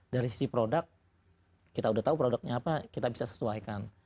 dari sisi produk kita udah tahu produknya apa kita bisa sesuaikan